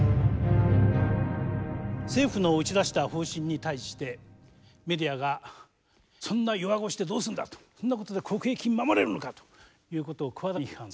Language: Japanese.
政府の打ち出した方針に対してメディアが「そんな弱腰でどうするんだ」とそんなことで国益守れるのか」ということを声高に批判する。